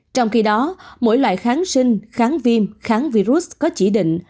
trong khi đó mỗi loại kháng sinh kháng viêm kháng virus có chỉ định